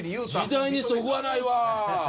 時代にそぐわないわ。